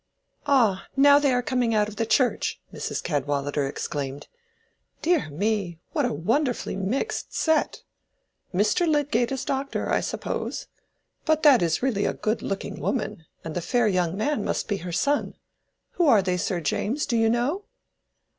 "Ah, now they are coming out of church," Mrs. Cadwallader exclaimed. "Dear me, what a wonderfully mixed set! Mr. Lydgate as doctor, I suppose. But that is really a good looking woman, and the fair young man must be her son. Who are they, Sir James, do you know?"